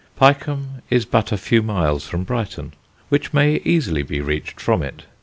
Pyecombe is but a few miles from Brighton, which may easily be reached from it.